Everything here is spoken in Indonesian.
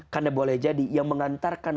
karena boleh jadi yang mengantarkan